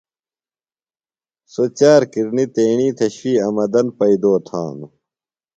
سوۡ چار کِرنیۡ تیݨی تھےۡ شُوئی آمدن پئیدو تھانوۡ۔